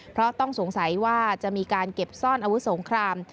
เพราะต้องสงสัยว่าจะมีการเก็บซ่อนอาวุธสงคราม